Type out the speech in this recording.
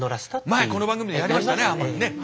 前この番組でやりましたね奄美ね。